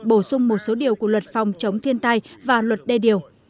bổ sung một số điều của luật phòng chống thiên tai và luật đê điều